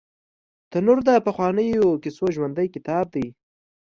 تنور د پخوانیو کیسو ژوندي کتاب دی